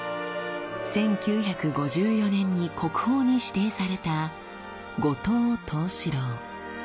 １９５４年に国宝に指定された「後藤藤四郎」。